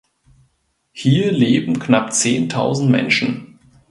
Hier leben knapp zehntausend Menschen.